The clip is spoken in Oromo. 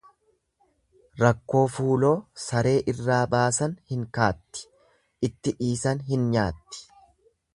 Rakkoo fuuloo saree irraa baasan hin kaatti itti dhiisan hin nyaatti.